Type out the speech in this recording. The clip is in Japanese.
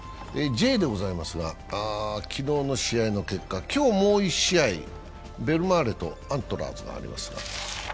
Ｊでございますが、昨日の試合の結果、今日もう１試合、ベルマーレとアントラーズがあります。